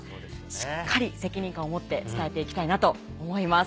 しっかり責任感を持って伝えていきたいなと思います。